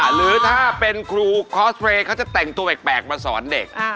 หรือถ้าเป็นครูคอสเตรียเขาจะแต่งตัวแปลกมาสอนเด็ก